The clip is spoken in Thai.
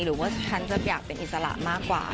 หรือว่าฉันจะอยากเป็นอิสระมากกว่า